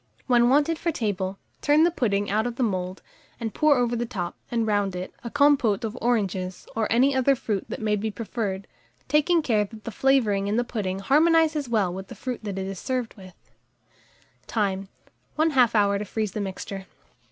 When wanted for table, turn the pudding out of the mould, and pour over the top, and round it, a compôte of oranges, or any other fruit that may be preferred, taking care that the flavouring in the pudding harmonizes well with the fruit that is served with it. Time. 1/2 hour to freeze the mixture.